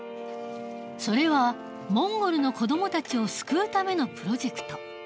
それはモンゴルの子どもたちを救うためのプロジェクト。